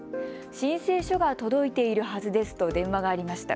申請書が届いているはずですと電話がありました。